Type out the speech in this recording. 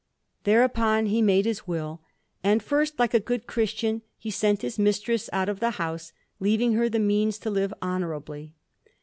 Thereupon he made his will: and first, like a good Christian, he sent his mistress out of the house, leaving her the means to live honourably.